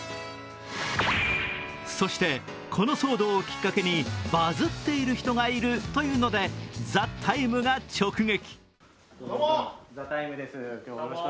そして、この騒動をきっかけにバズってる人がいるというので「ＴＨＥＴＩＭＥ，」が直撃。